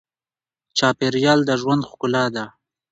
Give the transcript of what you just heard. چاپېریال د ژوند ښکلا ده.